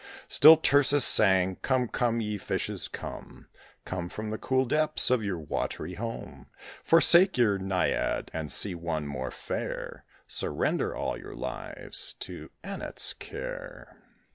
Still Tircis sang, "Come, come, ye fishes, come: Come from the cool depths of your watery home; Forsake your naiad, and see one more fair: Surrender all your lives to Annette's care!